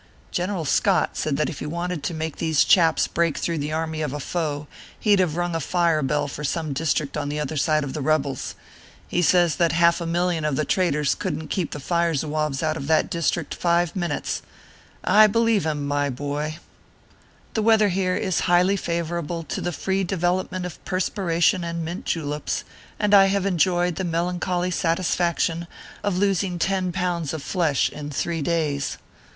General Scott says that if he wanted to make these chaps break through the army of a foe, he d have a fire bell rung for some district on the other side of the rebels. ORPHEUS C. KERR PAPERS. 39 He says that half a million of the traitors couldn t keep the Fire Zouaves out of that district five min utes. I helieve him, my boy ! The weather here is highly favorable to the free development of perspiration and mint juleps, and I have enjoyed the melancholy satisfaction of losing ten pounds of flesh in three days.